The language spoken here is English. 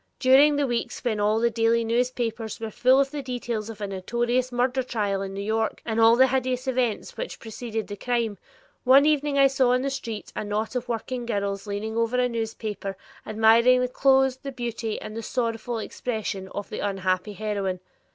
During the weeks when all the daily papers were full of the details of a notorious murder trial in New York and all the hideous events which preceded the crime, one evening I saw in the street a knot of working girls leaning over a newspaper, admiring the clothes, the beauty, and "sorrowful expression" of the unhappy heroine.